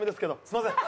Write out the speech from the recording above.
すみません。